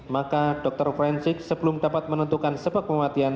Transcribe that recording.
maka dr frenzik sebelum dapat menentukan sebab kematian